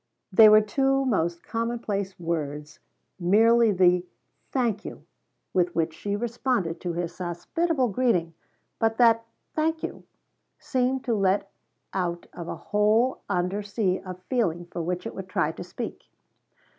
They were two most commonplace words, merely the "Thank you" with which she responded to his hospitable greeting, but that "Thank you" seemed let out of a whole under sea of feeling for which it would try to speak.